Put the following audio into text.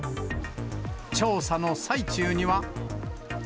調査の最中には。